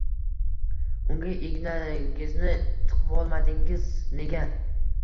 Unga ignangizni tiqvolmadingiz nega?